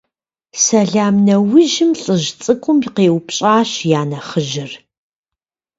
Сэлам нэужьым лӀыжь цӀыкӀум къеупщӀащ я нэхъыжьыр.